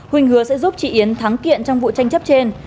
huỳnh hứa sẽ giúp chị yến thắng kiện trong vụ tranh chấp trên